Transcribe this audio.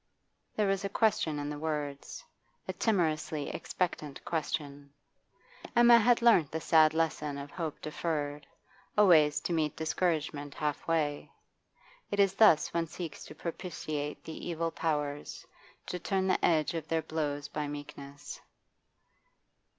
There was a question in the words, a timorously expectant question. Emma had learnt the sad lesson of hope deferred, always to meet discouragement halfway. It is thus one seeks to propitiate the evil powers, to turn the edge of their blows by meekness.